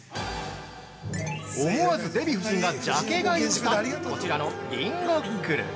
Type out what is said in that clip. ◆思わずデヴィ夫人がジャケ買いをしたこちらの「りんごっくる」